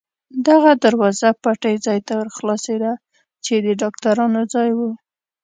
دغه دروازه پټۍ ځای ته ور خلاصېده، چې د ډاکټرانو ځای و.